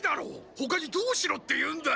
ほかにどうしろって言うんだ？